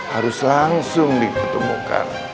harus langsung diketemukan